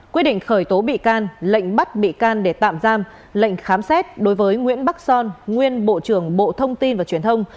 quyết định khởi tố bị can lệnh bắt bị can để tạm giam lệnh khám xét đối với nguyễn bắc son nguyên bộ trưởng bộ thông tin và truyền thông